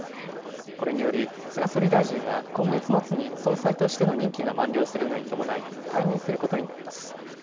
これにより菅総理大臣は今月末に総裁としての任期が満了するのに伴い退任することになります。